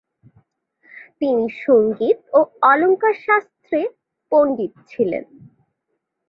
তিনি সঙ্গীত ও অলঙ্কার শাস্ত্রে পণ্ডিত ছিলেন।